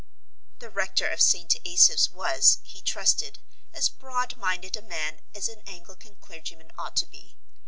The rector of St. Asaph's was, he trusted, as broad minded a man as an Anglican clergyman ought to be.